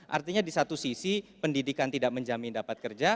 artinya di satu sisi pendidikan tidak menjamin dapat kerja